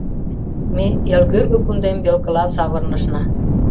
Ме элгӧргӧ кундем велкыла савырнышна.